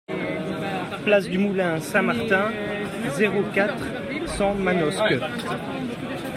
Place du Moulin Saint-Martin, zéro quatre, cent Manosque